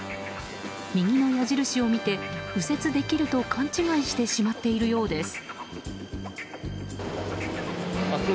右の矢印を見て、右折できると勘違いしてしまっているようです。